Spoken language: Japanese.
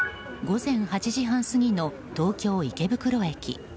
午前８時半過ぎの東京・池袋駅。